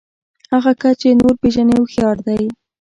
هغه کس چې نور پېژني هوښيار دی.